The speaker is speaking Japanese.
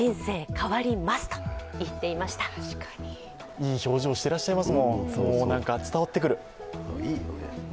いい表情していらっしゃいますもん、伝わってくる。